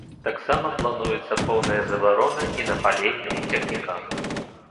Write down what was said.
Таксама плануецца поўная забарона і на паленне ў цягніках.